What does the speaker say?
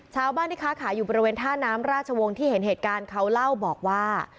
ชาวบ้านที่ค้าขายอยู่บริเวณท่าน้ำราชวงศ์ที่เห็นเหตุการณ์เขาเล่าบอกว่า